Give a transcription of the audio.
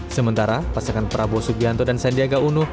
sementara pasangan prabowo subianto dan sandiaga uno